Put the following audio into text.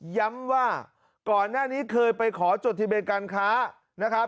ย้ำว่าก่อนหน้านี้เคยไปขอจดที่เบนการค้า